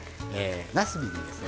なすびにですね